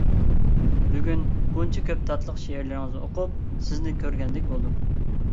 بۈگۈن بۇنچە كۆپ تاتلىق شېئىرلىرىڭىزنى ئوقۇپ، سىزنى كۆرگەندەك بولدۇم.